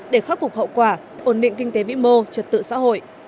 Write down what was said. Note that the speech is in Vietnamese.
để khắc phục hậu quả ổn định kinh tế vĩ mô trật tự xã hội